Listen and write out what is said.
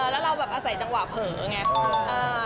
แล้วเราแบบอาศัยจังหวะเผลออย่างนี้